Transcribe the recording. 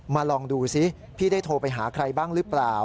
ลองดูซิพี่ได้โทรไปหาใครบ้างหรือเปล่า